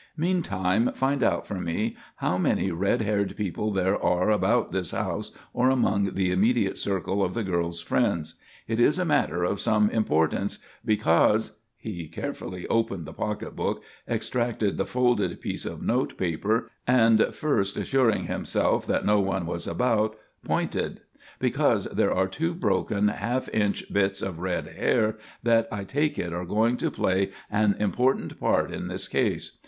Meantime find out for me how many red haired people there are about this house or among the immediate circle of the girl's friends. It is a matter of some importance, because " he carefully opened the pocketbook, extracted the folded piece of note paper, and, first assuring himself that no one was about, pointed "because here are two broken, half inch bits of red hair that I take it are going to play an important part in this case.